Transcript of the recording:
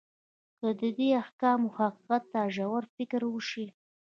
که د دې احکامو حقیقت ته ژور فکر وشي.